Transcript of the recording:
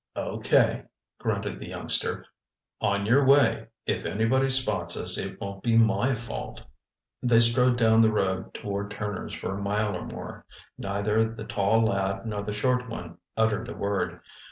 "O.K." grunted the youngster. "On your way. If anybody spots us it won't be my fault." They strode down the road toward Turner's for a mile or more. Neither the tall lad nor the short one uttered a word.